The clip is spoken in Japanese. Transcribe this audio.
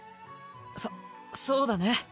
そそうだね。